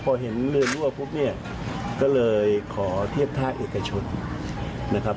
พอเห็นเรือนรั่วปุ๊บเนี่ยก็เลยขอเทียบท่าเอกชนนะครับ